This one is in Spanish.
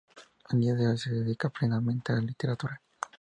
A día de hoy se dedica plenamente a la literatura.